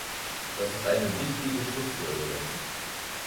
Das ist eine wichtige Schlussfolgerung.